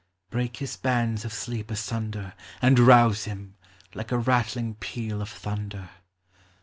Break his bands of sleep asunder, And rouse him, like a rattling peal of thunder.